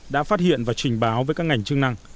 đã phát hiện và trình báo với các ngành chức năng